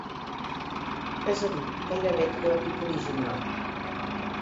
És a dir, gairebé tot l'equip original.